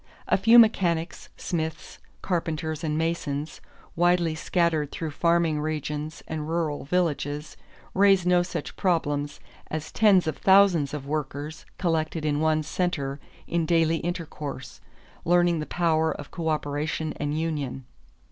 A few mechanics, smiths, carpenters, and masons, widely scattered through farming regions and rural villages, raise no such problems as tens of thousands of workers collected in one center in daily intercourse, learning the power of coöperation and union.